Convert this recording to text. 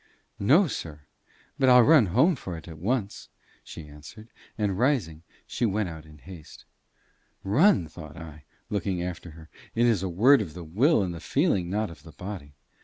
"No, sir. But I'll run home for it at once," she answered. And rising, she went out in haste. "Run!" thought I, looking after her. "It is a word of the will and the feeling, not of the body."